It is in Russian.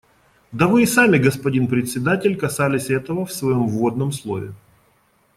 Да вы и сами, господин Председатель, касались этого в своем вводном слове.